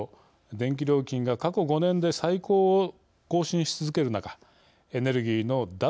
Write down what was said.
電気料金が過去５年で最高を更新し続ける中エネルギーの脱